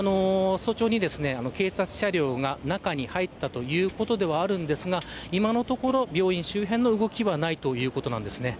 早朝に警察車両が中に入ったということではありますが今のところ、病院周辺の動きはないということです。